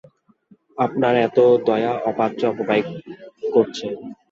আপনার এত দয়া অপাত্রে অপব্যয় করছেন।